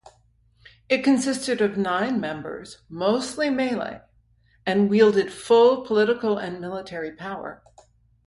It consisted of nine members, mostly Malay, and wielded full political and military power.